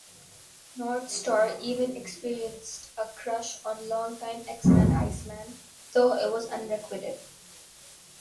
Northstar even experienced a crush on long-time X-Man Iceman, though it was unrequited.